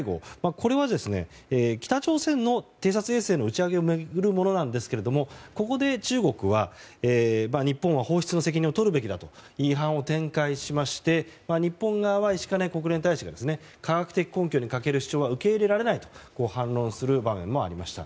これは北朝鮮の偵察衛星の打ち上げを巡るものですがここで中国は、日本は放出の責任を取るべきだと批判を展開しまして日本側は石兼国連大使が科学的根拠に欠ける主張は受け入れられないと反論する場面もありました。